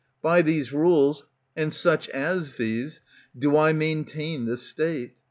By these rul«ft And such a.s these do I mai n t ai a t he S ta t_e.